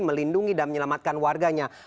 melindungi dan menyelamatkan warganya